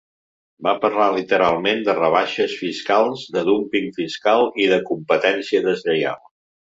Va parlar literalment de rebaixes fiscals, de dúmping fiscal i de competència deslleial.